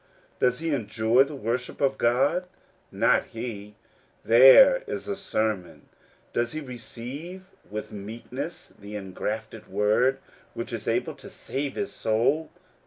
Does he enjoy the worship of God ? Not he ! There is a sermon. Does he receive with meek ness the engrafted word which is able to save his soul?